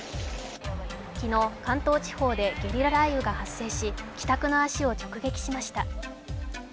昨日、関東地方でゲリラ雷雨が発生し帰宅の足を直撃しました。